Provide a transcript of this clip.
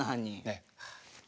ええ。